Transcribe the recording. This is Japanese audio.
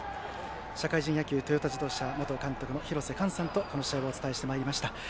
社会人野球トヨタ自動車元監督の廣瀬寛さんとこの試合はお伝えしました。